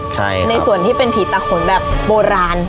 ใช่ในส่วนที่เป็นผีตาขนแบบโบราณ